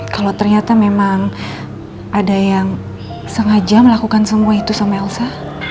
kalau ternyata memang ada yang sengaja melakukan semua itu sama elsa